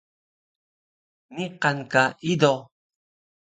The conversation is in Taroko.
Niqan ka ido?